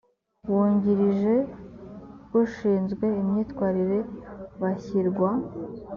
wungirije ushinzwe imyitwarire bashyirwa